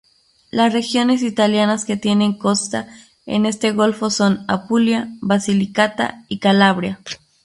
Las regiones italianas que tienen costa en este golfo son Apulia, Basilicata y Calabria.